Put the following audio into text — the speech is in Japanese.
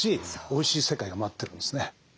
おいしい世界が待ってるんですね。